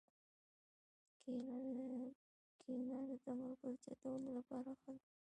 کېله د تمرکز زیاتولو لپاره ښه ده.